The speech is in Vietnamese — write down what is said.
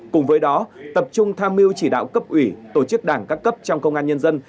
cùng với đó tập trung tham mưu chỉ đạo cấp ủy tổ chức đảng các cấp trong công an nhân dân